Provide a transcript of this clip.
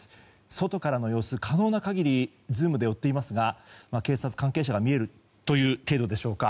外からの様子、可能な限りズームで寄っていますが警察関係者が見えるという程度でしょうか。